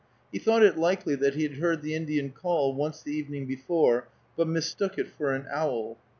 He thought it likely that he had heard the Indian call once the evening before, but mistook it for an owl.